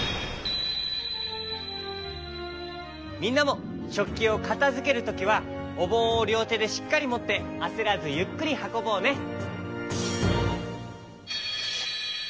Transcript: みんなもしょっきをかたづけるときはおぼんをりょうてでしっかりもってあせらずゆっくりはこぼうね！